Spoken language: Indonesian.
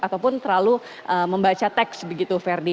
ataupun terlalu membaca teks begitu ferdi